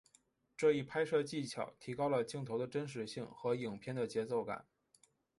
这一拍摄技巧提高了镜头的真实性和影片的节奏感。